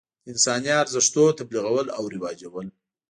د انساني ارزښتونو تبلیغول او رواجول.